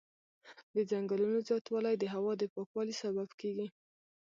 د ځنګلونو زیاتوالی د هوا د پاکوالي سبب کېږي.